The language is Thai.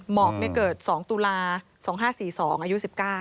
หมอกเกิด๒ตุลา๒๕๔๒อายุ๑๙